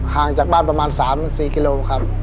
ห่างจากบ้านประมาณ๓๔กิโลครับ